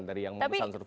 dari yang membesar